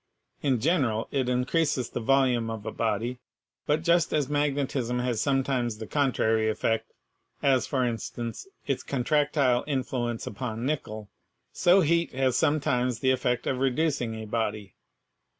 In general, it in creases the volume of a body; but just as magnetism has sometimes the contrary effect (as, for instance, its con tractile influence upon nickel), so heat has sometimes the effect of reducing a body.